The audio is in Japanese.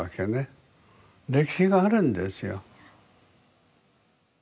歴史があるんですよ。